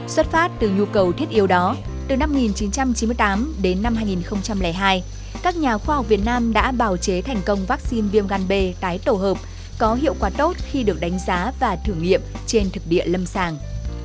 xuất phát từ nhu cầu thiết yếu đó từ năm một nghìn chín trăm chín mươi tám đến năm hai nghìn hai các nhà khoa học việt nam đã bào chế thành công vaccine viêm gan b tái tổ hợp có hiệu quả tốt khi được đánh giá và thử nghiệm trên thực địa lâm sàng